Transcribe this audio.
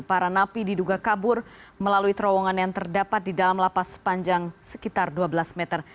para napi diduga kabur melalui terowongan yang terdapat di dalam lapas sepanjang sekitar dua belas meter